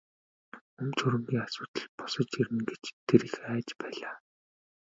Өмч хөрөнгийн асуудал босож ирнэ гэж тэр их айж байлаа.